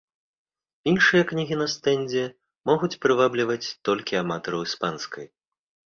Іншыя кнігі на стэндзе могуць прывабліваць толькі аматараў іспанскай.